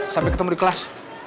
sampai ketemu di kelas